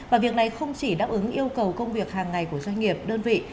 và việc này không chỉ đáp ứng yêu cầu công việc hàng ngày của doanh nghiệp đơn vị